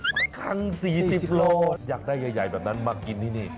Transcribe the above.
สักครั้ง๔๐โลอยากได้ใหญ่แบบนั้นมากินที่นี่